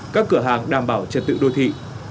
các cửa hàng đảm bảo trật tự đô thị